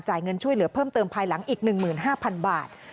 เงินช่วยเหลือเพิ่มเติมภายหลังอีก๑๕๐๐๐บาท